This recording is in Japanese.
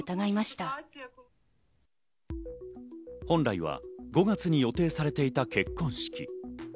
本来は５月に予定されていた結婚式。